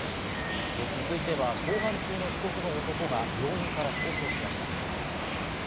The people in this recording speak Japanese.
続いては公判中の被告の男が病院から逃走しました。